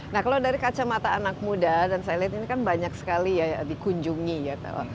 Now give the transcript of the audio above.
nah kalau dari kacamata anak muda dan saya lihat ini kan banyak sekali ya dikunjungi ya